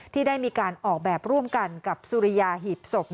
ที่ได้มีการออกแบบร่วมกันกับสุริยาหีบศพ